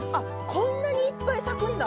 こんなにいっぱい咲くんだ。